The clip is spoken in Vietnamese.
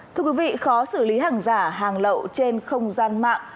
thưa quý vị khó xử lý hàng giả hàng lậu trên không gian mạng